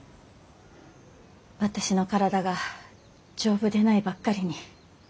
私の体が丈夫でないばっかりに。